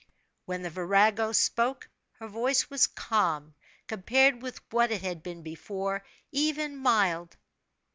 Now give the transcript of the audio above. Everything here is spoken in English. When the virago spoke, her voice was calm, compared with what it had been before, even mild.